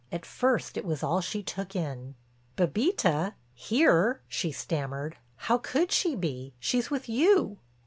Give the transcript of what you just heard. At first it was all she took in. "Bébita—here?" she stammered. "How could she be? She's with you."